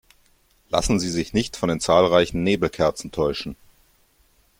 Lassen Sie sich nicht von den zahlreichen Nebelkerzen täuschen!